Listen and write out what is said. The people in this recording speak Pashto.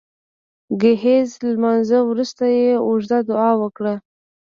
د ګهیځ لمانځه وروسته يې اوږده دعا وکړه